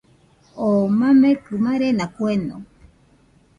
Oo mamekɨ marena kueno